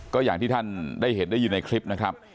ก็อย่างที่ท่านได้เห็นได้ยินในคลิปนะครับ